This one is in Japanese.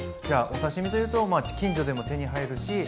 じゃお刺身というと近所でも手に入るし。